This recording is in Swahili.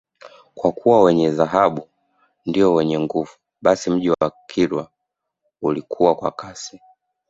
Kwa kuwa mwenye dhahabu ndiye mwenye nguvu basi mji wa Kilwa ulikua kwa kasi